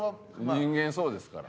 人間そうですから。